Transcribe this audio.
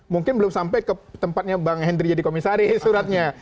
mungkin belum sampai ke tempatnya bang henry jadi komisaris suratnya